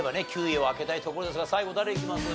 ９位を開けたいところですが最後誰いきます？